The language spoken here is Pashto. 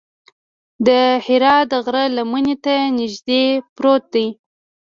د حرا د غره لمنې ته نږدې پروت دی.